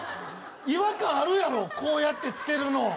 違和感あるやろ、こうやってつけるの！